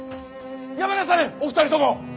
やめなされお二人とも。